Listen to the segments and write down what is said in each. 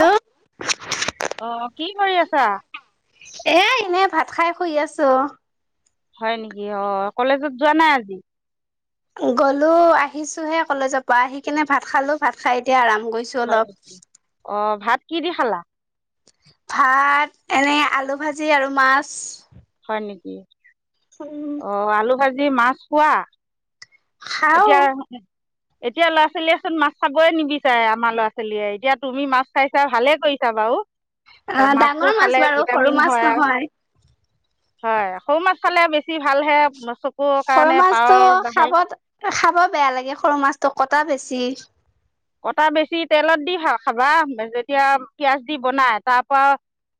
Hello অহ। কি কৰি আছা? এ এনে ভাত খাই শুই আছো। হয় নেকি অ, কলেজত যোৱা নাই আজি? গ'লো, আহিছো হে কলেজৰ পৰা, আহি কিনে ভাত খালো, ভাত খাই এতিয়া আৰাম কৰিছো হয় অলপ নেকি? অ ভাত কি দি খালা? ভাত, এনে আলু ভাজি আৰু মাছ হয় নেকি? উম অ আলু ভাজি তুমি মাছ খোৱা? খাও এতিয়া এতিয়া ল'ৰা ছোৱালীয়েচোন মাছ খাবয়ে নিবিচাৰে আমাৰ ল'ৰা ছোৱালীয়ে। এতিয়া তুমি মাছ খাইছা ভালে কৰিছা বাৰু। আহ মাছটো ডাঙৰ মাছ খালে বাৰু, সৰু ভিটামিন মাছ হয় নহয়। হয়, সৰু মাছ খালে বেছি ভালহে। চক সৰু মাছতো খাব- খাব বেয়া লাগে। সৰু মাছতটো কটা বেছ চি। কটা বেছি, তেলত দি খা খাবা। যেতিয়া পিয়াজ দি বনাই, তাৰ পৰা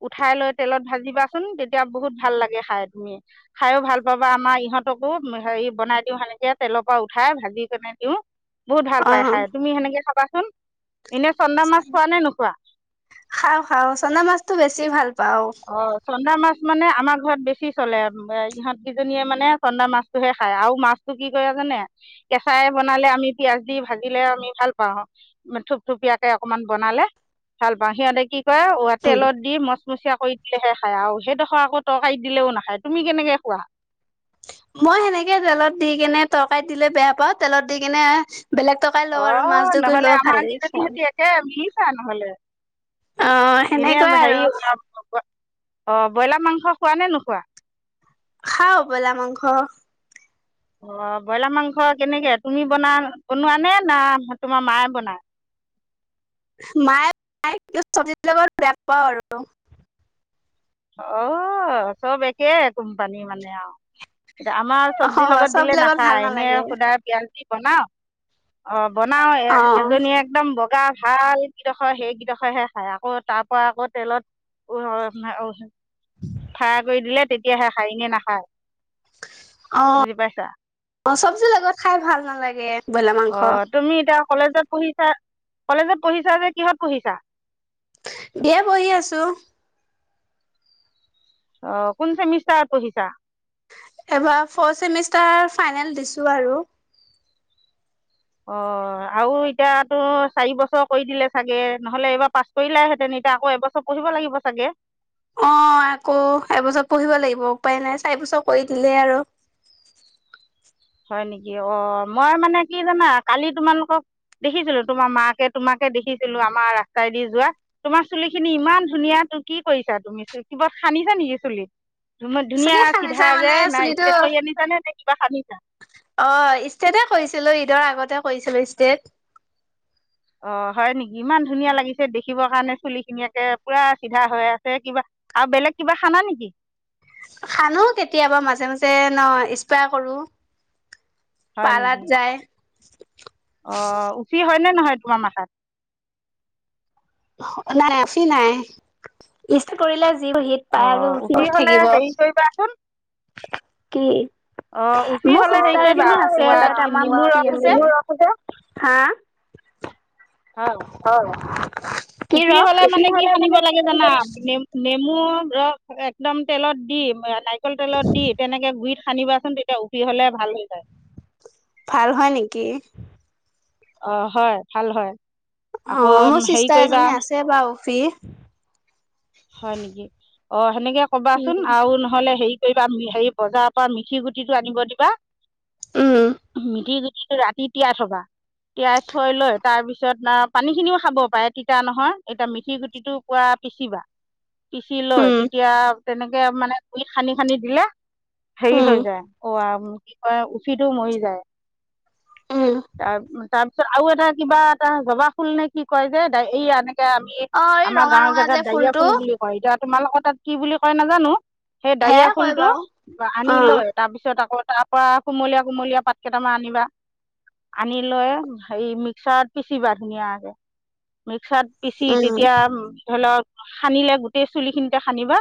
উঠাই লৈ তেলত ভাজিবাচোন, তেতিয়া বহুত ভাল লাগে খাই, তুমি খাইও ভাল পাবা, আমাৰ ইহঁতকো হেৰি বনাই দিওঁ সেনেকে তেলৰ পৰা উঠাই, ভাজি কিনে দিওঁ। বহুত ভাল অ পায় খাই। তুমি সেনেকে খাবাচোন। এনে চন্দা মাছ খোৱা নে নোখোৱা খাও- খাও। চন্দা মাছতটো বেছি ভাল পাও অ, চন্দা মাছ মানে আমাৰ ঘৰত বেছি চলে। উম অ' ইহঁত কিজনীয়ে মানে চন্দা মাছটোহে খায়। আৰু মাছটো কি কৰে জানে? কেঁচাই বনালে, আমি পিয়াজ দি ভাজিলে আমি ভাল পাওঁ। থুপথুপিয়াকে অকনমান বনালে, ভাল পাওঁ। সিহঁতে কি কৰে, অ' উম তেলত দি মচমচীয়া দিলেহে খায় আও। সেইডোখৰ আকৌ তৰকাৰীত দিলেও নাখায়। তুমি কেনেকে খোৱা? মই সেনেকে তেলত দি কেনে তৰকাৰীত দিলে বেয়া পাওঁ। তেলত দি কেনে বেলেগ তৰকাৰী লওঁ আৰু মাছ অ'। জুগুৰি নহলে লওঁ আমাৰ ভালেৰে খাওঁ কেজনিহতি একে আমি এ নহ'লে অ' এনে সেনেকুৱাই হেৰি আৰু। অ' ব্ৰইলাৰ মাংস খোৱা নে নোখোৱা? খাওঁ ব্ৰইলাৰ মাংস। অ' ব্ৰইলাৰ মাংস কেনেকে, তুমি বনা- বনোৱা নে না তোমাৰ মায়ে বনায়? মায়ে বনায়। কিন্তু ছব্জিৰ লগত বেয়া পাওঁ আৰু। অ' চব একে কোম্পানী মানে আও। এতিয়া আমাৰ অ ছব্জিৰ লগত দিলে চব্জিৰ লগত ভাল নাখায়। এনেই নালাগে সুদা পিয়াজ দি বনাৱ? অ' বনাওঁ। অ এ- এজনী একদম বগা ভাল কিডখৰ- সেই কিডখৰহে খায়। আকৌ তাৰ পৰা আকৌ তেলত উ উ [unintelligible] ফ্ৰায় কৰি দিলে তেতিয়াহে খায়। এনে নাখায়। অ' বুজি পাইছা - অ' চব্জি লগত খাই ভাল নালাগে। ব্ৰইলাৰ মাংস অ' তুমি এতিয়া কলেজত পঢ়িছা- কলেজত পঢ়িছা যে কিহত পঢ়িছা? দিয়া পঢ়ি আছোঁ। অ' কোন চেমিষ্টাৰ পঢ়িছা? এইবাৰ ফোৰ ছেমিষ্টাৰ ফাইনেল দিছোঁ আৰু। অ'। আৰু এতিয়াতো চাৰি বছৰ কৰি দিলে চাগে? নহ'লে এইবাৰ পাছ কৰিলাহেঁতেন। এতিয়া আকৌ এবছৰ পঢ়িব লাগিব চাগে? অ' আকৌ এবছৰ পঢ়িব লাগিব। উপায় নাই। চাৰি বছৰ কৰি দিলে আৰু। হয় নেকি? অ'। মই মানে কি জানা? কালি তোমালোকক দেখিছিলোঁ। তোমাৰ মাকে, তোমাকে দেখিছিলোঁ, আমাৰ ৰাস্তাইদি যোৱা। তোমাৰ চুলিখিনি ইমান ধুনীয়া, তো কি কৰিছা তুমি চু-? কিবা সানিছা নেকি চুলিত? চুলি ধুনীয়া খান্দিছে চিধা মানে যে। নাই চুলিটো ইষ্ট্ৰেট কৰি আনিছা নে? নে কিবা সানিছা? অ' ইষ্ট্ৰেটে কৰিছিলোঁ। ঈদৰ আগতে কৰিছিলোঁ ইষ্ট্ৰেট। অ' হয় নেকি? ইমান ধুনীয়া লাগিছে দেখিবৰ কাৰণে চুলিখিনি। একে পুৰা চিধা হৈ আছে কিবা, আৰু বেলেগ কিবা সানা নেকি? সানো কেতিয়াবা মাজে- মাজে ন', ইস্প্ৰে কৰোঁ। পাৰ্লাত যাই। [unintelligible] অ' উফি হয়নে নহয় তোমাৰ মাথাত? নাই-নাই। উফি নাই। ইষ্টেট কৰিলে যি হিট পাই আৰু অ' উফি গৈ হ'লে থাকিব হেৰি কৰিবাচোন কি? অঁ উফি মোৰ হ'লে হেৰি ছিষ্টাৰ কৰিবা এজনী আছে। পুৱা তাইৰ কি তামাম নেমু ৰস উফি যে আছে। হা? অঁ হয়। উফি হ'লে মানে কি সানিব লাগে জানা নে নে নেমু ৰস একদম তেলত দি নাৰি কল তেলত দি তেনেকে গুৰিত সানিবা চোন তেতিয়া উফি হলে ভাল হৈ যায়। ভাল হয় নেকি? অ হয় ভাল হয়। অ আকৌ মোৰ হেৰি চিষ্টাৰ কৰিবা এজনী আছে বাৰু উফি। হয় নেকি অ সেনেকে কবাচোন আৰু নহ'লে হেৰি কৰিবা হেৰি বজাৰৰ পৰা মিঠি গুটিটো আনিব দিবা উম মিঠি গুটিটো ৰাতি তিয়াই থবা। তিয়াই থৈ লৈ তাৰপিছত পানী খিনিও খাব পাৰে তিতা নহয় এতিয়া মিঠি গুটিটো পুৰা পিচিবা। পিচি উম লৈ উম তেতিয়া তেনেকে মানে গুৰিত সানি সানি দিলে সেই উম হৈ যায় অ আ কি কয় উফিটো মৰি যায়। উম তাৰ তাৰ পিছত আৰু এটা কিবা এটা জবাব ফুল নে কি কয় যে এই আমি অ এই আমাৰ ৰঙা গাঁওৰ ৰঙা যে জেগাত দাৰিয়া ফুলটো ফুল বুলি কয় এতিয়া তোমালোকৰ তাত কি বুলি কয় নাজানো। সেই দাৰিয়া সেয়াই কয় ফুল টো বাৰু আনি অ লৈ তাৰপিছত আকৌ তাৰ পৰা কুমলীয়া কুমলীয়া পাত কেইটামান আনিবা। আনি লৈ হেৰি মিক্সাৰত পিচিবা ধুনীয়াকে মিক্সা ৰত পিচি উম তেতিয়া ধৰি লওক সানিলে গোটেই চুলি খিনিতে সানিবা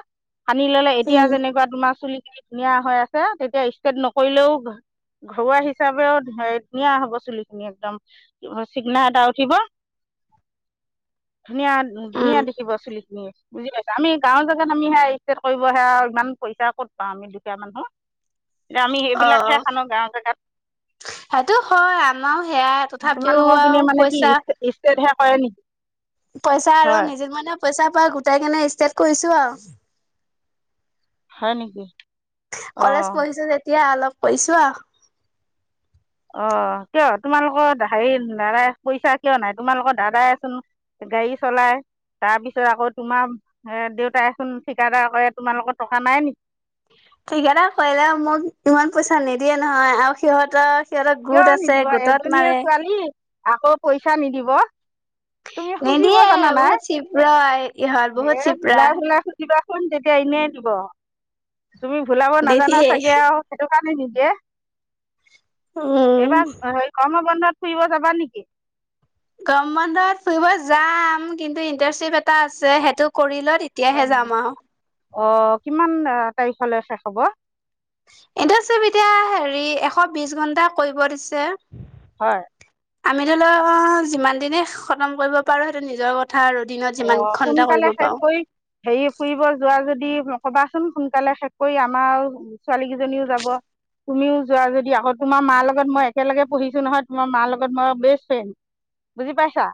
সানি ললে এতিয়া উম যেনেকুৱা তোমাৰ চুলি ধুনীয়া হৈ আছে তেতিয়া ষ্টেট নকৰিলেও ঘৰুৱা হিচাপেও ধুনীয়া হব চুলি খিনি একদম চিগনা এটা উঠিব। ধুনীয়া ধুনীয়া উম দেখিব চুলিখিনি। বুজি পাইছা? আমি গাঁৱৰ জেগাত আমি ‌সেইৰ ষ্টেট কৰিব সেয়া ইমান পইচা ক'ত পাওঁ আমি দুখীয়া মানুহ। এতিয়া আমি অ সেইবিলাকহে সানো গাওঁ জেগাত। সেইটো হয় আমাৰো। সেয়াই তথাপিও তোমালোকৰ আৰু পিনে মানে কি পইচা হয় নেকি পইচা আৰু হয় নিযুত মইনা পইচা পাই গোটাই কেনে ইষ্টেট কৰিছো আওঁ। হয় নেকি? কলেজ অঁ পঢ়িছো যেত তিয়া অলপ কৰিছোঁ আও। অ' কিয় তোমালোকৰ দা - হেৰি দাদাই পইচা কিয় নাই? তোমালোকৰ দাদাইচোন গাড়ী চলাই, তাৰপিছত আকৌ তোমাৰ এ দেউতাইচোন ঠিকাদাৰ কৰে, তোমালোকৰ টকা নাই নেকি? ঠিকাদাৰ কৰিলেও মোক ইমান পইচা নিদিয়ে নহয় আৰু সিহঁতৰ সিহঁতৰ গোট কিয় আছে নিদিব গোটত এজনীয়ে মাৰে ছোৱালী আকৌ পইচা নিদিব। তুমি খুজিব নিদিয়ে জানা নাই। বহুত চিপৰা ইহঁত হে বহুত চিপৰা ভুলাই ভুলাই খুজিবা চুন তেতিয়া এনে দিব। তুমি ভুলাবা নাজানা নিদিয়ে চাগে আৰু সেইটো কাৰ কি নিদিয়ে? উম এইবাৰ হেৰী গৰমৰ বন্ধত ফুৰিব যাবা নেকি? গৰম বন্ধত ফুৰিব যাম কিন্তু ইণ্টাৰ্শিপ এটা আছে সেইটো কৰি লৈ হয় তেতিয়াহে নেকি যাম আও। অ কিমান তাৰিখলৈ শেষ হ'ব? এতিয়া চব এতিয়া হেৰি এশ বিছ ঘন্টা কৰিব দিছে। হয়। আমি ধৰি ল যিমান দিনে খতম কৰিব পাৰো সেইটো নিজৰ কথ অ' সোনকালে শেষ কৰি হেৰি ফুৰিব যোৱা যদি কবাচোন সোনকালে শেষ কৰি আমাৰ ছোৱালী কেইজনীও যাব, তুমিও যোৱা যদি আকৌ তোমাৰ মাৰ লগত মই একেলগে পঢ়িছো নহয় তোমাৰ মাৰ লগত মই বেষ্ট ফ্ৰেণ্ড, বুজি পাইছা?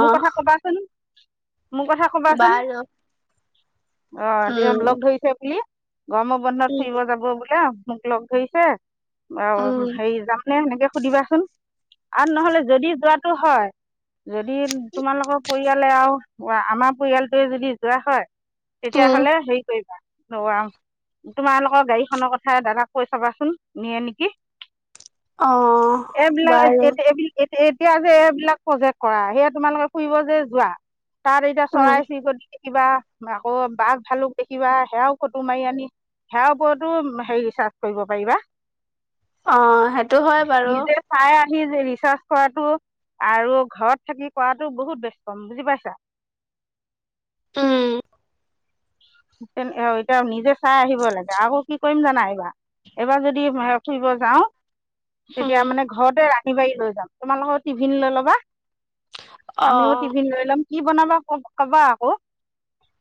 মোৰ কথা কবাচোন। মোৰ কথা কবাচোন। বাৰু অ' তেওঁ উম লগ ধৰিছে বুলি। গৰমৰ বন্ধত ফুৰিব যাব বোলে মোক লগ ধৰিছে অ' উম হেৰি যাম নে এনেকে সুধিবাচোন? আৰু নহ'লে যদি যোৱাটো হয় যদি তোমালোকৰ পৰিয়ালে আৰু আমাৰ পৰিয়ালটোৱে যদি যোৱা হয় উম তেতিয়াহ'লে হেৰি কৰিবা [unintelligible] তোমালোকৰ গাড়ীখনৰ কথা দাদাক কৈ চাবাচোন, নিয়ে নেকি? অ এইবিলাক [unintelligible] বাৰু এতিয়া যে এইবিলাক প্ৰজেক্ট কৰা সেয়ে তোমালোকে ফুৰিব যে যোৱা তাত এতিয়া উম চৰাই চিৰিকটি কিবা আকৌ বাঘ ভালুক দেখিবা সেয়াও ফটো মাৰি আনি সেয়াৰ ওপৰতো হেৰি ৰিছাৰ্চ কৰিব পাৰিবা। অ সেইটো হয় বাৰু। সি যে ৰিচাৰ্চ কৰাটো, আৰু ঘৰত থাকি কৰা টো বহুত ব্যস্ত বুজি পাইছা? উম। এ এতিয়া নিজে চাই আহিব লাগে। আকৌ কি কৰিম জানা এইবাৰ? এইবাৰ যদি ফুৰিব যাওঁ উম তেতিয়া মানে ঘৰতে ৰা [unintelligible] লৈ যাম তোমালোকৰ টিভিন লৈ ল'বা। অ আমিও তিভিন লৈ লম। কি বনাবা ক কবা আকৌ।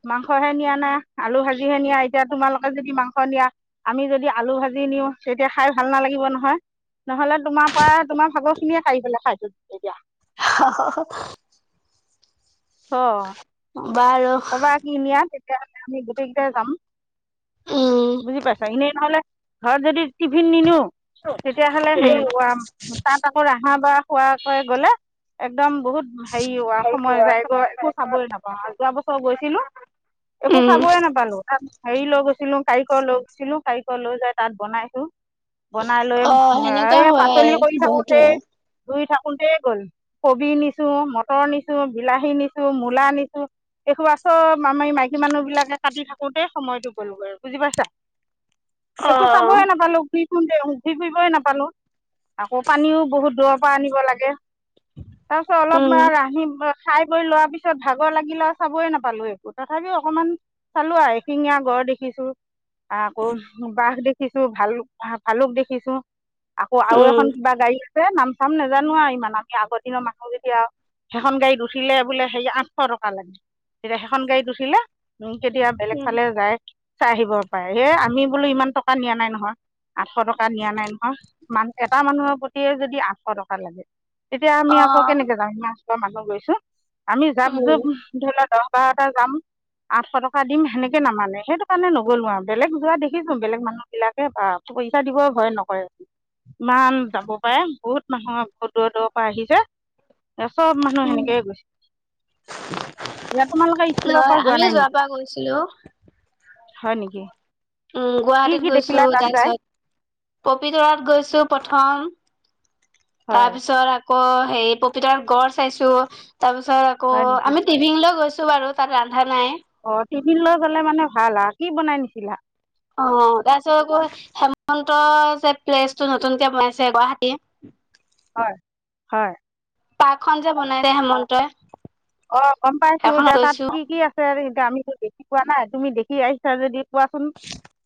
মাং সহে নিয়া নে? আলু ভাজি হে নিয়া এতিয়া তোমালোকে যদি মাংস নিয়া, আমি যদি আলু ভাজি নিওঁ। তেতিয়া খাই ভাল নালাগিব নহয়। নহ'লে তোমাৰ পৰা তোমাৰ ভাগৰ খিনিয়ে পিলে খাই দিম। [unintelligible] হ- হ -হ। অ। বাৰু কবা কি নিয়া। তিয়া আমি গোটেইকেইটাই যাম। উম বুজি পাইছা? এনেই নহলে ঘৰত যদি টিফিন নিনো তেতিয়া হ'লে হেৰি উম তাত আকৌ ৰাহা বা খোৱাকৈ গ'লে, এ একদম বহুত হেৰি সময় যায়গৈ, একো চাবই নাপাওঁ যোৱা বছৰ গৈছিলো, একো উম চাবয়ে নাপালো। হেৰি লৈ গৈছিলো, কাৰিকৰ লৈ গৈছিলো, কাৰিকৰ লৈ যাই তাত বনাইছো। বনাই লৈ, অ সেনেকুৱা এ হয় পাচলি কৰি থাকোতে, বহুতৰে ধুই থা কোটে গ'ল। কবি নিছো, মটৰ নিছো, বিলাহী নিছো, মূলা নিছো। এইসোপা চব আমি মাইকী মানুহ বিলাকে কাটি থাকোতে সময়টো গ'লগৈ। বুজি পাইছা? অ একো চাবয়ে নাপালো উঠি ফুৰিবই নাপালো। আকৌ পানীও বহুত দূৰৰ পৰা আনিব লাগে। তাপিছত উম অলপমান আহি খাই বৈ লোৱাৰ পিছত ভাগৰ লাগিল আ চাবই নাপালো একো। তথাপিও অকনমান চালো আৰু, এশিঙীয়া গড় দেখিছো। আকৌ বাঘ দেখিছো, ভাল ভালুক দেখিছো। আকৌ আৰু এখন উম কিবা গাড়ী এ নাম চাম নাজানো আৰু ইমান। আমি আগৰ দিনৰ মানুহ যেটিয়া আৰু। সেইখন গাড়ী উঠিলে বোলে সেই আঠশ টকা লাগে। এতিয়া সেইখন গাড়ীত উঠিলে কেতিয়া বেলেগ উম ফালে যায়। চাই আহিব পাৰে। হে আমি বোলো ইমান টকা নিয়া নাই নহয়। আঠশ টকা নিয়া নাই নহয়। মান- এটা মানুহৰ প্ৰতিয়ে যদি আঠশ টকা লাগে, তেতিয়া আমি অ আকৌ কেনেকে যাম মানুহ গৈছোঁ। আমি উম জাপ-জোপ ঢোলত দহ- বাৰটা যাম, আঠশ টকা দিম, সেনেকে নামানে। সেইটো কাৰণে নগলোঁ আৰু। বেলেগ যোৱা দেখিছোঁ। বেলেগ মানুহবিলাকে বা, পইচা দিব ভয় নকৰে। ইমান যাব পাৰে। বহুত মানুহৰ বহুত দূৰৰ - দূৰৰ পৰা আহিছে। এ চব মানুহ উম সেনেকাই গৈছে। ইয়াত তোমালোকে ইস্কুলৰ লয় পৰা যোৱা আমি নাই যোৱাৰ নেকি? পৰা গৈছিলো হয় নেকি? উম, কি গুৱাহাটীত কি দেখিলা গৈছোঁ। তাত তাৰ যায় পিছত পবিতৰাত গৈছোঁ প থম। তাৰ হয় পিছত ক হেৰি পপিতৰাত গড় চাইছোঁ। তাৰ পিছত আকৌ, হয় নেকি আমি টিভিং লৈ গৈছ ছোঁ বাৰু তাত ধা নাই। অঁ টিফিন লৈ গ'লে মানে ভাল আৰু। কি বনাই নিছিলা? অ'। তাৰপিছত আকৌ হেমন্ত যে প্লেচটো নতুনকে বনাইছে গুৱাহাটী হয়। হয়। পাৰ্কখন যে বনাইছে হেমন্তই অ' গম পাইছোঁ। সেইখনত এতিয়া তাত গৈছো। কি কি আছে আমিতো দেখি পোৱা নাই। তুমি দেখি আহিছা যদি কোৱাচোন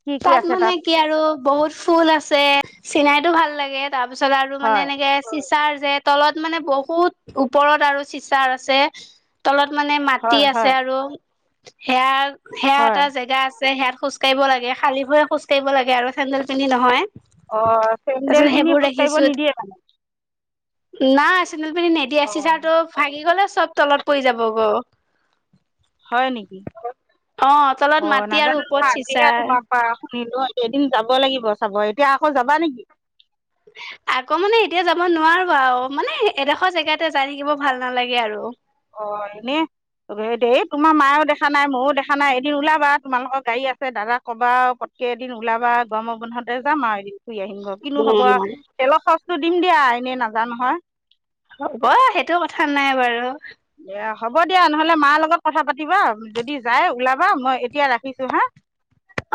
কি কি তাত আছে মানে কি আৰু, বহুত ফুল আছে। চিনাই টো ভাল লাগে। তাৰ পিছত আৰু মানে হয় এনেকে তাৰ যে তলত মানে বহুত ওপৰত আৰু চিচাৰ আছে। তলত মানে মাটি হয় আছে হয় আৰু। সেয়া সেয়া হয় এটা জেগা আছ যে সেয়াত খোজ খোজ কাঢ়িব লাগে। খালি ভৰিৰে খোজ কাঢ়িব লাগে আৰু। চেণ্ডেল পিন্ধি নহয়। অ' চেণ্ডেল তাৰপিছত পিন্ধি সেইবোৰ খোজ কাঢ়িব দেখিছো নিদিয়ে মানে? নাই চেণ্ডেল পিন্ধি নিদিয়ে চি অঁ ছাৰ টো ভাগি গ'লে চব তলত পৰি যাব গ হয় নি? [unintelligible] অ' তলত মাটি আৰু নহয় ওপৰত আজিহে চিচা। তোমাৰ [unintelligible] এদিন যাব লাগিব চাব। এতিয়া আকৌ যাবা নেকি? আকৌ মানে এতিয়া যাব নোৱাৰো আৰু মানে এডোখৰ জেগাতে যাই থাকিব ভাল নালাগে আৰু। অ' এনে [unintelligible] দেই তোমাৰ মায়েও দেখা নাই, ময়ো দেখা নাই এদিন ওলাবা তোমালোকৰ গাড়ী আছে দাদাক কবা আৰু পটকে এদিন ওলাবা গৰমৰ বন্ধতে যাম আৰু এদিন। ফুৰি আহিম গ কিনো হব আ, উম তেলৰ খৰছ টো দিম দিয়া এনেই নাজাও নহয়। হ'ব সেইটো কথা নাই বাৰু। দিয়া হ'ব দিয়া নহ'লে মাৰ লগত কথা পাতিবা। যদি যাই ওলাবা মই এতিয়া ৰাখিছো হাঁ।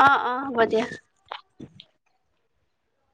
অ অ হ'ব দিয়া